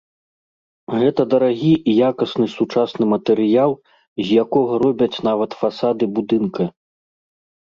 Гэта дарагі і якасны сучасны матэрыял, з якога робяць нават фасады будынка.